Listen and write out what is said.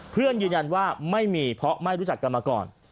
ยืนยันว่าไม่มีเพราะไม่รู้จักกันมาก่อน